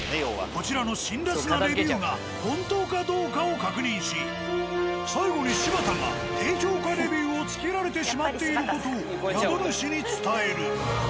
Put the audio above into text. こちらの辛辣なレビューが本当かどうかを確認し最後に柴田が低評価レビューを付けられてしまっている事を宿主に伝える。